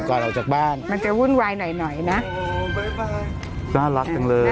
ก่อนออกจากบ้านมันจะวุ่นวายหน่อยหน่อยนะน่ารักจังเลย